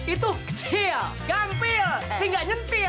itu kecil gampil hingga nyentil